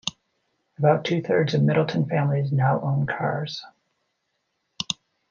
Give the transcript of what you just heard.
About two-thirds of Middletown families now own cars.